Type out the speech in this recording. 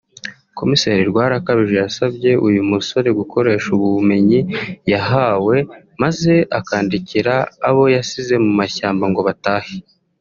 Commissaire Rwarakabije yasabye uyu musore gukoresha ubumenyi yahawe maze akandikira abo yasize mu mashyamba ngo batahe